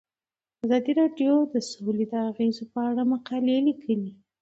ازادي راډیو د سوله د اغیزو په اړه مقالو لیکلي.